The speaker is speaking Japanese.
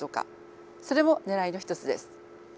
それもねらいの一つです。